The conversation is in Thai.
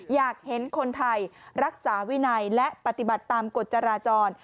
อยากเห็นคนไทยรักษาวินัยและปฏิบัติตามกฎจราจร